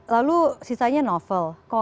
lalu sisanya novel komik